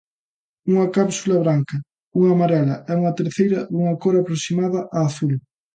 Unha cápsula branca, unha amarela e unha terceira dunha cór aproximada á azul.